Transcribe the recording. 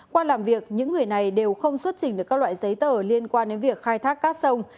qua làm việc những người này đều không xuất trình được các loại giấy tờ liên quan đến việc khai thác cát sông